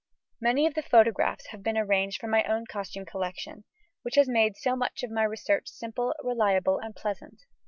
Many of the photographs have been arranged from my own costume collection, which has made so much of my research simple, reliable, and pleasant.